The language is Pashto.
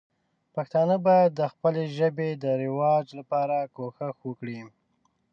پښتانه باید د خپلې ژبې د رواج لپاره کوښښ وکړي.